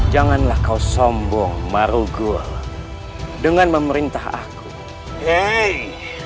janganlah kau sombong marogo dengan memerintah aku hei